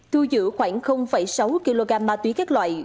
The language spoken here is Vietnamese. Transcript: thu giữ khoảng sáu kg ma túy các loại